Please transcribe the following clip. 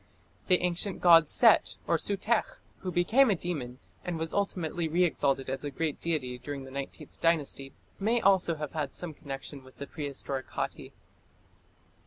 The ancient god Set (Sutekh), who became a demon, and was ultimately re exalted as a great deity during the Nineteenth Dynasty, may also have had some connection with the prehistoric Hatti.